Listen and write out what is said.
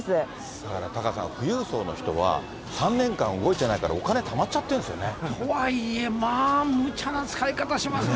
だから、タカさん、富裕層の人は３年間動いてないからお金たまっちゃってるんですよとはいえ、むちゃな使い方しますね。